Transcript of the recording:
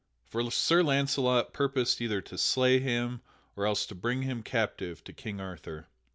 For Sir Launcelot purposed either to slay him or else to bring him captive to King Arthur.